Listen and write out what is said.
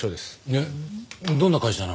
えっどんな会社なの？